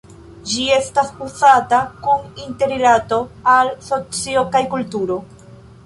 Ĝi estas uzata kun interrilato al socio kaj kulturo.